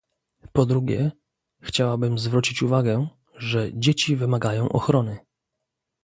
Po drugie, chciałabym zwrócić uwagę, że dzieci wymagają ochrony